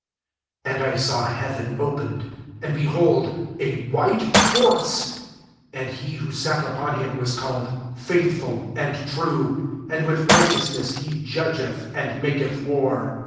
11 And I saw heaven opened, and, behold, a white hor^e : and he who sat upon him was called Faithful and True; and with righteousness he judgeth and maketh war.